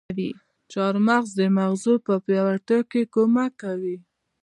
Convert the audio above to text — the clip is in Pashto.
چارمغز د مغزو په پياوړتيا کې کمک کوي.